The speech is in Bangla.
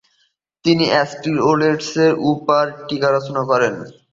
তিনি অ্যারিস্টটলের ওপর টীকা রচনা করেন।